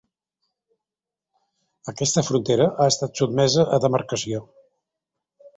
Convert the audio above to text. Aquesta frontera ha estat sotmesa a demarcació.